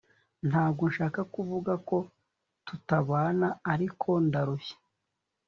Ntabwo nshaka kuvuga ko tutabana ariko ndarushye